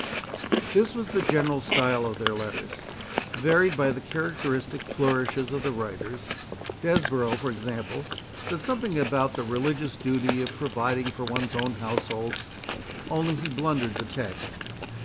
This was the general style of their letters, varied by the characteristic flourishes of the writers. Desborough, for example, said something about the religious duty of providing for one's own household, only he blundered the text.